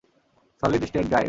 Solid state drive.